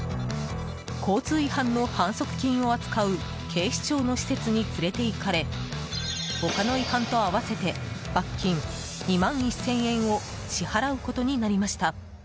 交通違反の反則金を扱う警視庁の施設に連れていかれ他の違反と合わせて罰金２万１０００円を支払うことになりました。